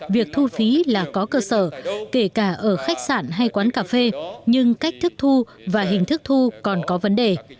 việc thu phí là có cơ sở kể cả ở khách sạn hay quán cà phê nhưng cách thức thu và hình thức thu còn có vấn đề